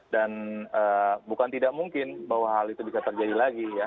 dan bukan tidak mungkin bahwa hal itu bisa terjadi lagi ya